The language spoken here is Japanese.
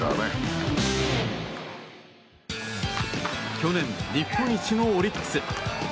去年、日本一のオリックス。